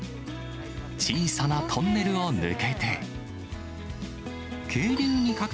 小さなトンネルを抜けて。